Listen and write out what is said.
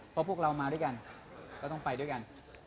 เพราะพวกเรามาด้วยกันก็ต้องไปด้วยกัน